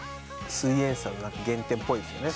「すイエんサー」の原点っぽいですよね。